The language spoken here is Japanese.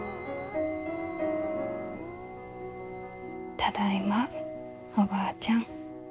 ただいまおばあちゃん。